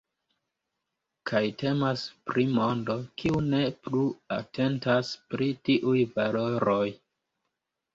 Kaj temas pri mondo, kiu ne plu atentas pri tiuj valoroj.